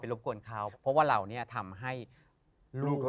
พี่ยังไม่ได้เลิกแต่พี่ยังไม่ได้เลิก